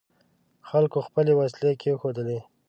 خلکو خپلې وسلې کېښودلې.